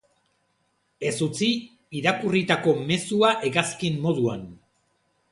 Ez utzi irakurritako mezua hegazkin moduan.